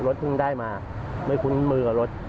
เพิ่งได้มาไม่คุ้นมือกับรถ